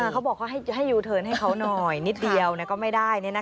เขาบอกว่าให้ยูเทิร์นให้เขาหน่อยนิดเดียวก็ไม่ได้